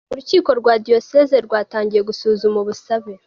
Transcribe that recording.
Urukiko rwa Diyoseze rwatangiye gusuzuma ubusabe .